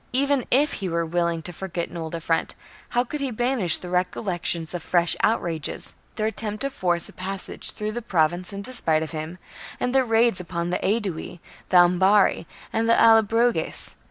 Even if he were willing to for get an old affront, how could he banish the recol lection of fresh outrages, — their attempt to force a passage through the Province in despite of him, and their raids upon the Aedui, the Ambarri, and the Allobroges